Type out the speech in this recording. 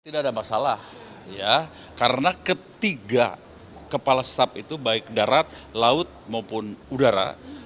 tidak ada masalah karena ketiga kepala staf itu baik darat laut maupun udara